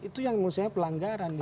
itu yang menurut saya pelanggaran